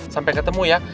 sampai ketemu ya